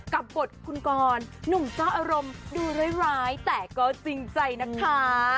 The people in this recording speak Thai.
กับบทคุณกรหนุ่มเจ้าอารมณ์ดูร้ายแต่ก็จริงใจนะคะ